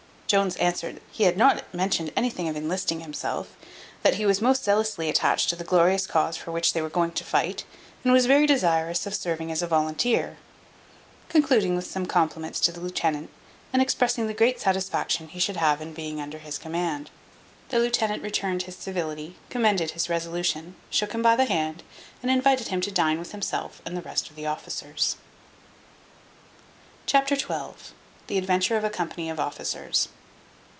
Jones answered: "That he had not mentioned anything of enlisting himself; that he was most zealously attached to the glorious cause for which they were going to fight, and was very desirous of serving as a volunteer;" concluding with some compliments to the lieutenant, and expressing the great satisfaction he should have in being under his command. The lieutenant returned his civility, commended his resolution, shook him by the hand, and invited him to dine with himself and the rest of the officers. Chapter xii. The adventure of a company of officers.